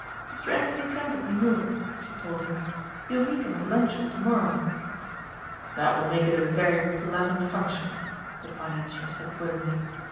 "Mr. Anthony Trent of New York," she told him. "You'll meet him at luncheon tomorrow." "That will make it a very pleasant function," the financier said grimly.